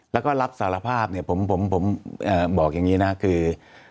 แล้วก็รับสารภาพเนี่ยผมบอกอย่างนี้นะคือ